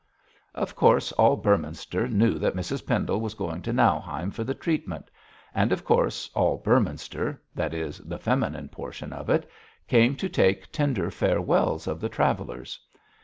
Of course all Beorminster knew that Mrs Pendle was going to Nauheim for the treatment; and of course all Beorminster that is, the feminine portion of it came to take tender farewells of the travellers.